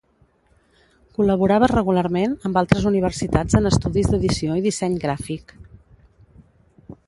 Col·laborava regularment amb altres universitats en estudis d'edició i disseny gràfic.